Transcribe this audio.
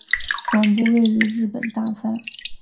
总部位于日本大阪。